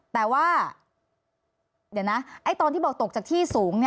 แต่ว่าเดี๋ยวนะตอนที่บอกตกจากที่สูง